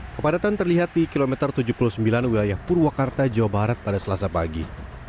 kepadatan terlihat di kilometer tujuh puluh sembilan wilayah purwakarta jawa barat pada selasa pagi